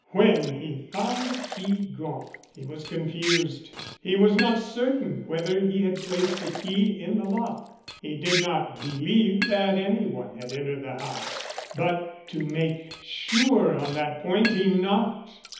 When he found the key gone he was confused: he was not certain whether he had placed the key in the lock. He did not believe that any one had entered the house, but to make sure on that point he knocked.